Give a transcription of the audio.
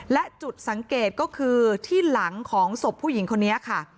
และจุดสังเกตก็คือที่หลังของศพผู้หญิงคนนี้ค่ะ